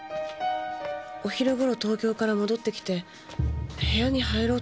お昼頃東京から戻ってきて部屋に入ろうとしたら。